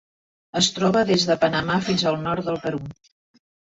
Es troba des de Panamà fins al nord del Perú.